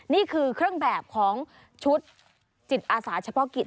นี่คือเครื่องแบบของชุดจิตอาสาเฉพาะกิจ